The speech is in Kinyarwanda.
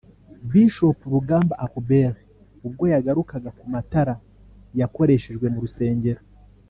Bishop Rugamba Albert ubwo yagarukaga ku matara yakoreshejwe mu rusengero